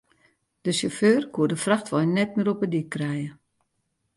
De sjauffeur koe de frachtwein net mear op de dyk krije.